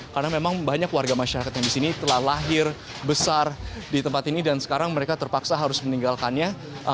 karena memang banyak warga masyarakat yang di sini telah lahir besar di tempat ini dan sekarang mereka terpaksa harus meninggalkannya